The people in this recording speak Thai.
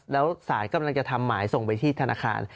แล้วศาลกำลังจะทำหมายส่งไปที่ธนาคาร